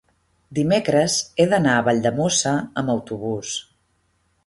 Dimecres he d'anar a Valldemossa amb autobús.